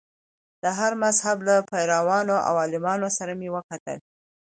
د هر مذهب له پیروانو او عالمانو سره مې وکتل.